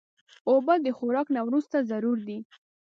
اوبه د خوراک نه وروسته ضرور دي.